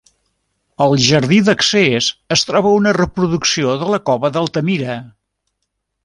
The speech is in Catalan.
Al jardí d'accés es troba una reproducció de la cova d'Altamira.